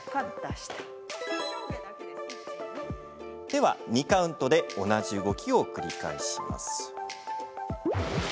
手は２カウントで同じ動きを繰り返します。